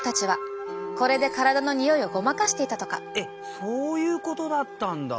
そういうことだったんだ。